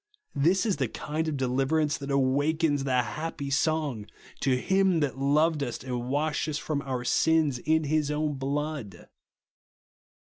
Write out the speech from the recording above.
This is the kind of deliverance that awakens the happy song, "To him that loved us, and washed us from our sins in his own blood."